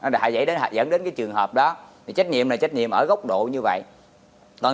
thì có thể đến hạt dẫn đến cái trường hợp đó thì trách nhiệm là trách nhiệm ở góc độ như vậy còn